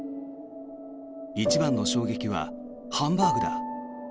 一番の衝撃はハンバーグだ。